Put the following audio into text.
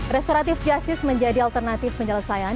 restoratif justice menjadi alternatif penyelesaian